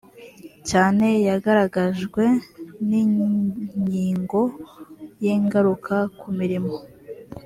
cyane yagaragajwe n inyigo y ingaruka ku mirimo